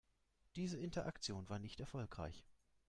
Diese Interaktion war nicht erfolgreich.